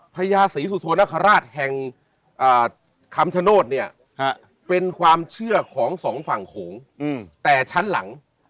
พญาศรีสุโธนคราชแห่งคำชโนธเนี่ยเป็นความเชื่อของสองฝั่งโขงแต่ชั้นหลัง